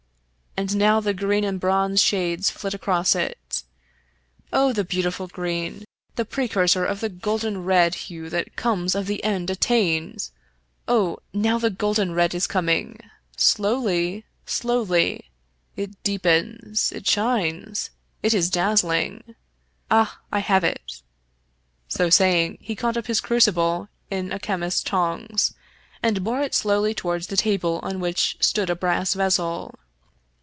And now the green and bronze shades flit across it. Oh, the beautiful green! the precursor of the golden red hue 23 Irish Mystery Stories that tells of the end attained 1 Ah ! now the golden red is coming — slowly — slowly! It deepens, it shines, it is daz zling ! Ah, I have it !" So saying, he caught up his cru cible in a chemist's tongs, and bore it slowly toward the table on which stood a brass vessel.